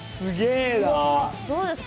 どうですか？